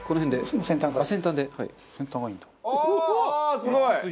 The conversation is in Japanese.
すごい！